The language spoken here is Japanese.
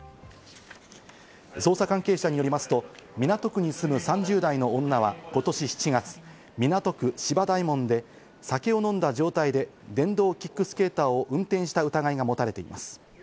捜査関係者によりますと、港区に住む３０代の女は今年７月、港区芝大門で酒を飲んだ状態で電動キックスケーターを運転した疑いがもたれています。